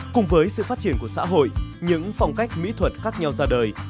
cùng với sự phát triển của xã hội những phong cách mỹ thuật khác nhau ra đời